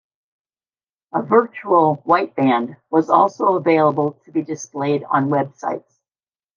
A "virtual" white band was also available to be displayed on websites.